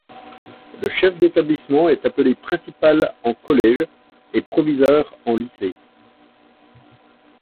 Le chef d'établissement est appelé principal en collège, et proviseur en lycée.